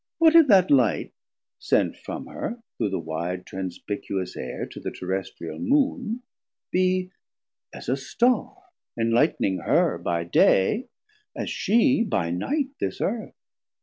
What if that light 140 Sent from her through the wide transpicuous aire, To the terrestrial Moon be as a Starr Enlightning her by Day, as she by Night This Earth?